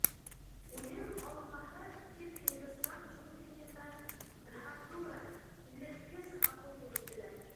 Үлем Алмаһы тип һиндостан джунглийында дһатура — илерт -кес ағыу йөрөтөлә.